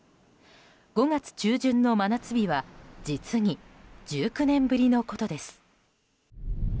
５月中旬の真夏日は実に１９年ぶりのことです。